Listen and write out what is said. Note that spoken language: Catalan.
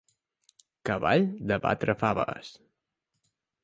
Cavall de batre faves.